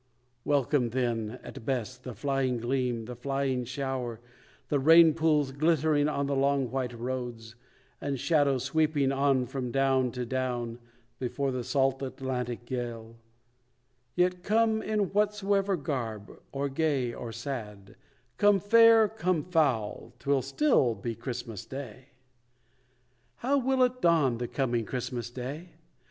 Welcome then At best, the flying gleam, the flying shower, The rain pools glittering on the long white roads, And shadows sweeping on from down to down Before the salt Atlantic gale: yet come In whatsoever garb, or gay, or sad, Come fair, come foul, 'twill still be Christmas Day. How will it dawn, the coming Christmas Day?